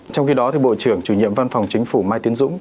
trong khi đó bộ trưởng chủ nhiệm văn phòng chính phủ mai tiến dũng